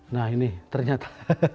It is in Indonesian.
nah ini ternyata